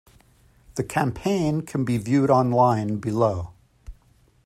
The campaign can be viewed online below.